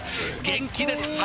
元気です